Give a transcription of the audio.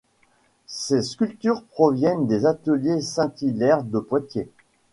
Ces sculptures proviennent des Ateliers Saint-Hilaire de Poitiers.